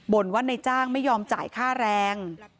บ่นว่าในจ้างไม่ยอมจ่ายค่าแรง